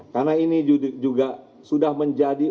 karena ini juga sudah menjadi